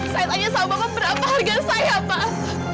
saya tanya sama bapak berapa harga saya pak